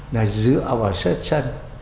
là dựa vào sơ chân